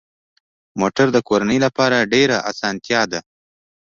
موټر د کورنۍ لپاره ډېره اسانتیا ده.